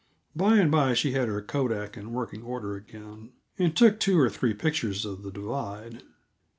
By and by she had her kodak in working order again, and took two or three pictures of the divide.